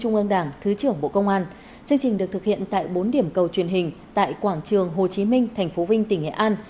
nó được hiện tại bốn điểm cầu truyền hình tại quảng trường hồ chí minh tp vinh tỉnh hệ an